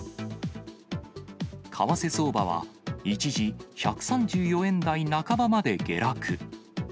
為替相場は、一時１３４円台半ばまで下落。